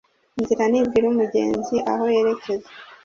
Inzira ntibwira umugenzi aho yerekeza